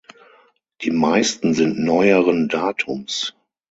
Die meisten sind neueren Datums.